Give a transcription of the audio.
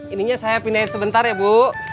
ininya saya pindahin sebentar ya bu